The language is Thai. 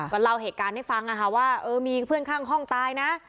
ก็เล่าเหตุการณ์ให้ฟังนะคะว่าเออมีเพื่อนข้างห้องตายนะ